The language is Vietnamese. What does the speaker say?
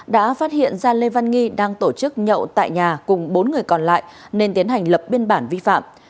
đã phát hiện ra lê văn nghi đang tổ chức nhậu tại nhà cùng bốn người còn lại nên tiến hành lập biên bản vi phạm